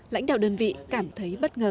lãnh đạo đơn vị cảm thấy bất ngờ